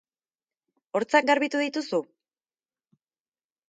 Hortzak garbitu dituzu?